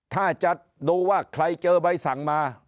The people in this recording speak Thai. ถ้าจะดูว่าใครเจอใบสั่งมา